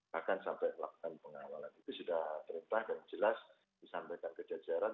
bahkan sampai melakukan pengawalan itu sudah perintah dan jelas disampaikan ke jajaran